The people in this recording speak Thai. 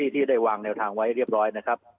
ที่ได้วางแนวทางไว้เรียบร้อยนะครับ